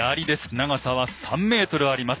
長さは３ｍあります。